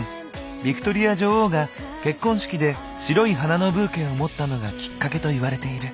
ヴィクトリア女王が結婚式で白い花のブーケを持ったのがきっかけといわれている。